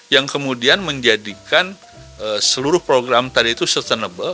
yang kemudian menjadikan seluruh program tadi itu sustainable